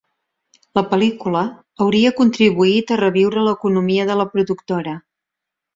La pel·lícula hauria contribuït a reviure l'economia de la productora.